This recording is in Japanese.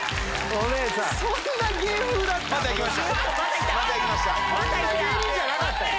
こんな芸人じゃなかったよ。